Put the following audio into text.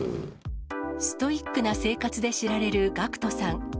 ストイックな生活で知られるＧＡＣＫＴさん。